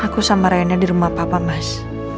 aku sama rayana dirumah papa mas